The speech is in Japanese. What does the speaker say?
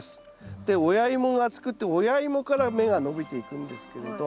で親イモが作って親イモから芽が伸びていくんですけれど。